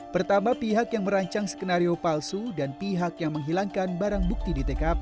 pertama pihak yang merancang skenario palsu dan pihak yang menghilangkan barang bukti di tkp